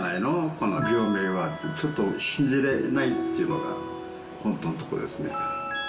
この病名はって、ちょっと信じれないっていうのが本当のところですね。